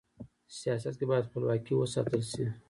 سیاست کي بايد خپلواکي و ساتل سي.